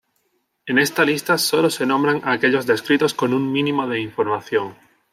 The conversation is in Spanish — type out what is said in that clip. En esta lista solo se nombran aquellos descritos con un mínimo de información.